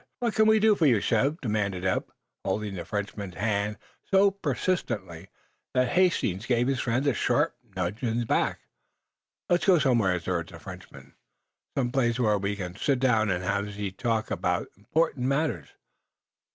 "What can we do for you, Chev?" demanded Eph, holding to the Frenchman's hand so persistently that Hastings gave his friend a sharp nudge in the back. "Let us go somewhere," urged the Frenchman. "Some place were we can sit down and have ze talk about important matters.